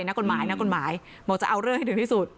นักกฎหมายบอกเอาร่วงให้ถึงที่สุด